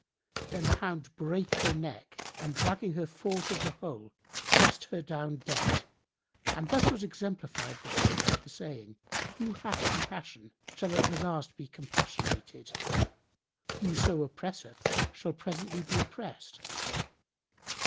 Then the hound brake her neck and dragging her forth of the hole, threw her down dead: and thus was exemplified the truth of the saying, "Who hath compassion shall at the last be compassionated. Whoso oppresseth shall presently be oppressed."